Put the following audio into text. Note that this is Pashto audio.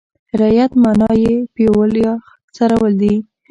رعیت معنا یې پېول یا څرول دي.